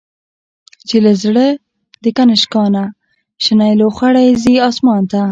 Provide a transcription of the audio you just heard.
چی له زړه د«کنشکا» نه، شنی لوخړی ځی آسمان ته